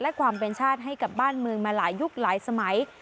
และความเป็นชาติให้กับบ้านเมืองมาหลายยุคหลายสมัย